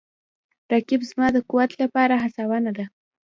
رقیب زما د قوت لپاره هڅونه ده